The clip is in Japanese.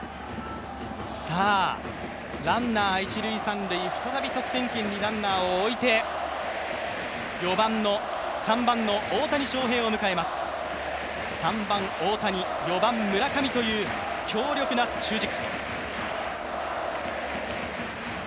ランナーは一・三塁、再び得点圏にランナーを置いて、３番の大谷翔平を迎えます、３番・大谷、４番・村上という強力な中軸。